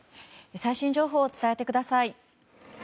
最新情報を伝えてください。